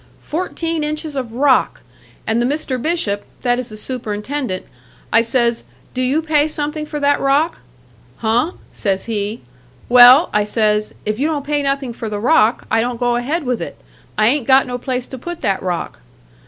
Fourteen inches of rock! And the Mr. Bishop that is the superintendent I says, 'Do you pay something for that rock?' 'Huh?' says he. 'Well,' I says, 'if you don't pay nothing for the rock, I don't go ahead with it. I ain't got no place to put that rock.'